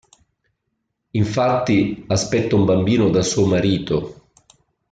Infatti, aspetta un bambino da suo marito.